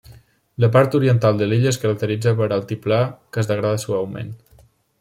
La part oriental de l'illa es caracteritza per altiplà que es degrada suaument.